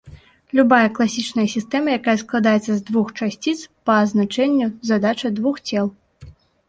Любая класічная сістэма, якая складаецца з двух часціц, па азначэнню задача двух цел.